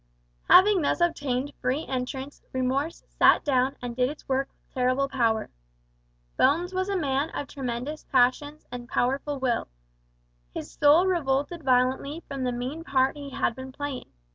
Having thus obtained free entrance, Remorse sat down and did its work with terrible power. Bones was a man of tremendous passions and powerful will. His soul revolted violently from the mean part he had been playing.